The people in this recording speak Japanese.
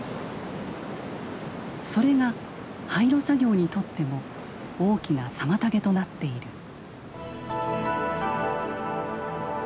それが廃炉作業にとっても大きな妨げとなっている。